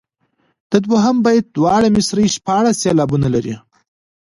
د دوهم بیت دواړه مصرعې شپاړس سېلابونه لري.